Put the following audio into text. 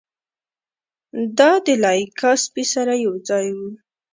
دا د لایکا سپي سره یوځای و.